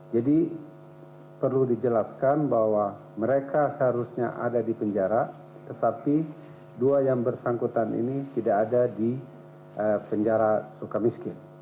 jadi perlu dijelaskan bahwa mereka seharusnya ada di penjara tetapi dua yang bersangkutan ini tidak ada di penjara sukamiski